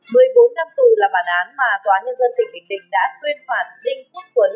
một mươi bốn năm tù là bản án mà tòa nhân dân tỉnh bình định đã tuyên phạt đinh quốc tuấn